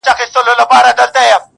o پرې کرم د اِلهي دی,